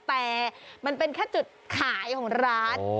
แต่มันเป็นแค่จุดขายของร้าน